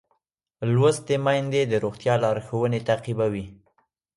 لوستې میندې د روغتیا لارښوونې تعقیبوي.